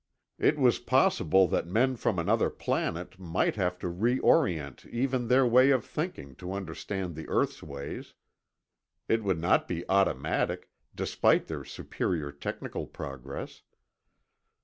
It was possible that men from another planet might have to reorient even their way of thinking to understand the earth's ways. It would not be automatic, despite their superior technical progress.